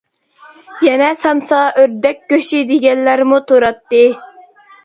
يەنە سامسا، ئۆردەك گۆشى دېگەنلەرمۇ تۇراتتى.